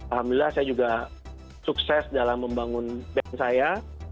alhamdulillah saya juga sukses dalam membangun band saya